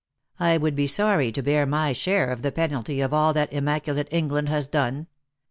I would be sorry to bear my share of the penalty of all that immaculate England has done.